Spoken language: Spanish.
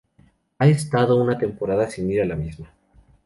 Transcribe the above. He estado una temporada sin ir a la misma.